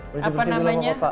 bersih bersih dulu ma'a pa